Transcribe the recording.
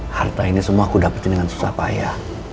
harta ini semua aku dapetin dengan susah payah